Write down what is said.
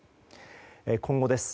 今後です。